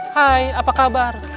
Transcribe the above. hai apa kabar